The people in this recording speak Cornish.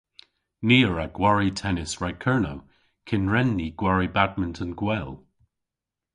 Ni a wra gwari tennis rag Kernow kyn hwren ni gwari badminton gwell.